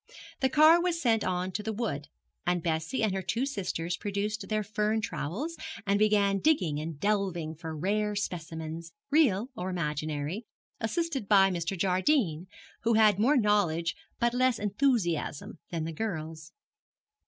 The car was sent on to the wood, and Bessie and her two sisters produced their fern trowels, and began digging and delving for rare specimens real or imaginary assisted by Mr. Jardine, who had more knowledge but less enthusiasm than the girls.